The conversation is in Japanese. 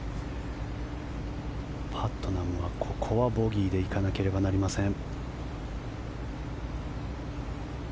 パットナムは、ここはボギーで行かなければなりません。